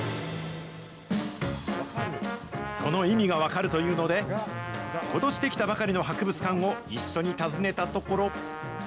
その意味が分かるというので、ことし出来たばかりの博物館を一緒に訪ねたところ。